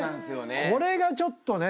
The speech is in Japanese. これがちょっとね。